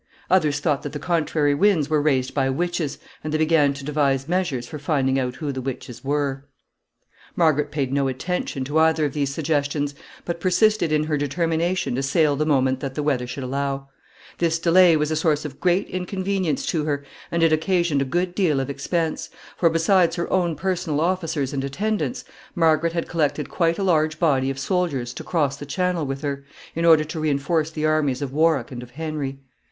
Others thought that the contrary winds were raised by witches, and they began to devise measures for finding out who the witches were. [Sidenote: Large company.] [Sidenote: Army to be embarked.] [Sidenote: Margaret's fears.] Margaret paid no attention to either of these suggestions, but persisted in her determination to sail the moment that the weather should allow. This delay was a source of great inconvenience to her, and it occasioned a good deal of expense; for, besides her own personal officers and attendants, Margaret had collected quite a large body of soldiers to cross the Channel with her, in order to re enforce the armies of Warwick and of Henry.